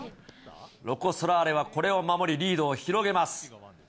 ロコ・ソラーレはこれを守り、リードを広げます。